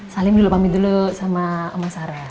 salim dulu pamit dulu sama oma sarah